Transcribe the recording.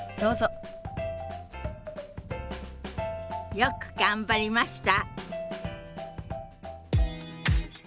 よく頑張りました。